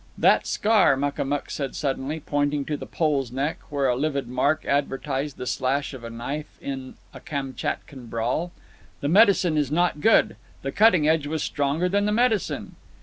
"That scar!" Makamuk said suddenly, pointing to the Pole's neck, where a livid mark advertised the slash of a knife in a Kamtchatkan brawl. "The medicine is not good. The cutting edge was stronger than the medicine."